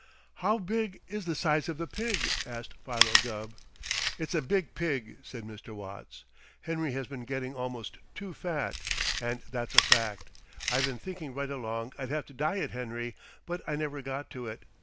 "How big is the size of the pig?" asked Philo Gubb. "It's a big pig," said Mr. Watts. "Henry has been getting almost too fat, and that's a fact. I've been thinking right along I'd have to diet Henry, but I never got to it.